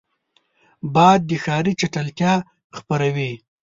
باد د ښاري چټلتیا خپروي